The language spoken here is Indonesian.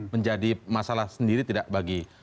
menjadi masalah sendiri tidak bagi